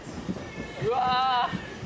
うわ。